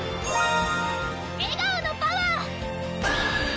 笑顔のパワー！